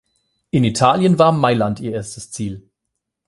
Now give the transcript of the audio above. In Italien war Mailand ihr erstes Ziel.